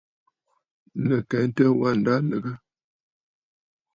Nɨ̀ kɛntə, wâ ǹda lɨgə.